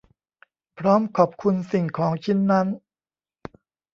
พร้อมขอบคุณสิ่งของชิ้นนั้น